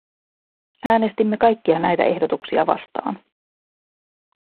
Äänestimme kaikkia näitä ehdotuksia vastaan.